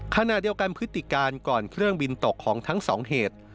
ขณะเดียวกันพฤติการก่อนเครื่องบินตกของทั้งสองเหตุ